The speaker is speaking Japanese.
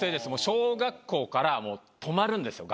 小学校からもう泊まるんですよ